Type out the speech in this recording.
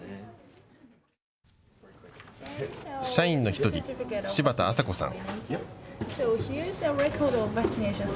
社員の１人、柴田麻子さん。